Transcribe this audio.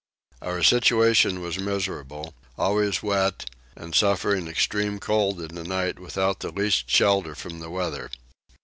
Our situation was miserable: always wet, and suffering extreme cold in the night without the least shelter from the weather.